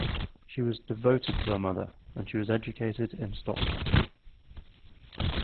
She was devoted to her mother and she was educated in Stockholm.